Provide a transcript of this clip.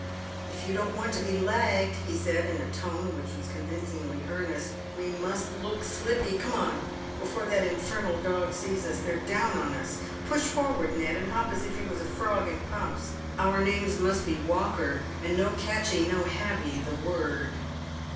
" If you don't want to be lagged," he said, in a tone which was con vincingly earnest, " we must look slippy. Come on, before that infernal dog sees us. They're down on us. Push forwards, Ned, and hop as if you was a frog in pumps. Our names must be Walker, and no catchee no havee the word."